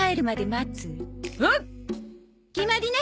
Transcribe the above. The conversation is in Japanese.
決まりね。